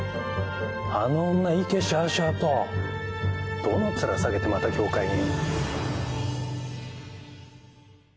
あの女いけしゃあしゃあと。どの面下げてまた業界に。